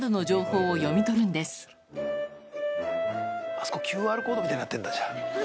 あそこＱＲコードみたいになってんだじゃあ。